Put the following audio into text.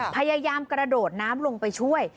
พยายามกระโดดน้ำลงไปช่วย